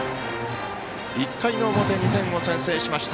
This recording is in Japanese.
１回の表、２点を先制しました。